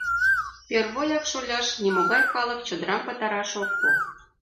— Первояк, шоляш, нимогай калык чодырам пытараш ок пу.